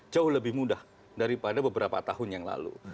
jauh lebih mudah daripada beberapa tahun yang lalu